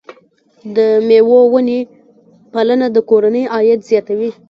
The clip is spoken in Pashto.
د مېوو ونې پالنه د کورنۍ عاید زیاتوي.